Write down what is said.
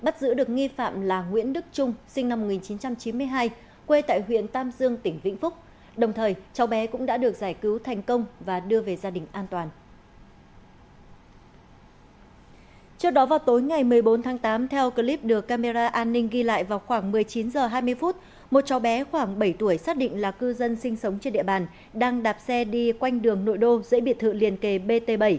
trước đó vào tối ngày một mươi bốn tháng tám theo clip được camera an ninh ghi lại vào khoảng một mươi chín h hai mươi một cháu bé khoảng bảy tuổi xác định là cư dân sinh sống trên địa bàn đang đạp xe đi quanh đường nội đô giữa biệt thự liền kề bt bảy